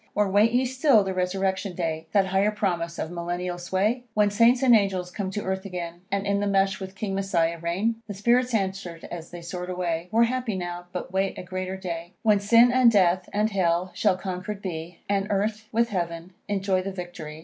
Or wait ye still the resurrection day, That higher promise of Millennial sway? When Saints and angels come to earth again, And in the Mesh with King Messiah reign? The spirits answer'd as they soar'd away "We're happy now, but wait a greater day, When sin and death, and hell, shall conquer'd be, And earth, with heaven, enjoy the victory."